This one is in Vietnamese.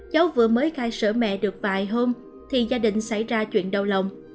cháu vừa mới khai sửa mẹ được vài hôm thì gia đình xảy ra chuyện đau lòng